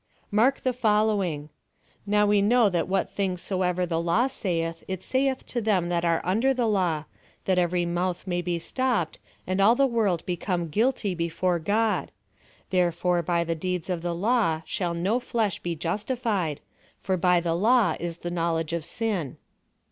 Mark the following —« Now we know that w^hat things soever the law saith, it saith to them that are under the law ; that every mouth may be stopj>ed, and all the wotld become gMi7/y before God; therefore by the deeds of the law shall no flesh be justified ; for by the law is the knowlegc of sin."